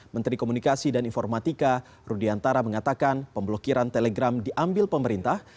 menteri komunikasi dan informatika rudiantara mengatakan pemblokiran telegram diambil pemerintah